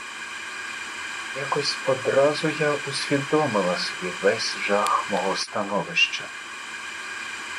Якось одразу я усвідомила собі весь жах мого становища.